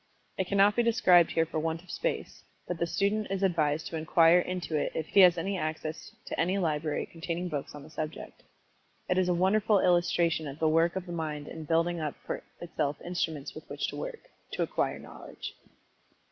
It cannot be described here for want of space, but the student is advised to inquire into it if he has access to any library containing books on the subject. It is a wonderful illustration of the work of the mind in building up for itself instruments with which to work to acquire knowledge.